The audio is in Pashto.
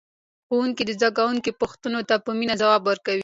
ښوونکی د زده کوونکو پوښتنو ته په مینه ځواب ورکوي